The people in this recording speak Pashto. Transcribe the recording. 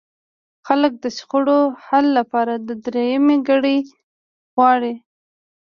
خلک د شخړو حل لپاره درېیمګړی غواړي.